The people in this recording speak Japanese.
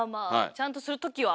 ちゃんとする時は。